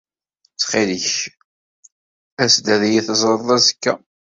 Ttxil-k, as-d ad iyi-teẓreḍ azekka.